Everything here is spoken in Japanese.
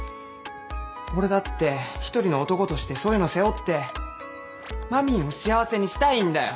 俺だって１人の男としてそういうの背負ってまみんを幸せにしたいんだよ